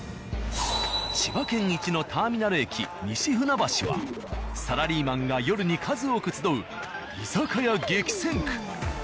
千葉県一のターミナル駅西船橋はサラリーマンが夜に数多く集う居酒屋激戦区。